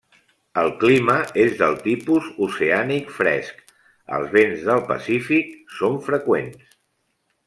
El clima és del tipus oceànic fresc, els vents del Pacífic són freqüents.